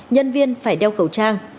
nhân viên phải đeo khẩu trang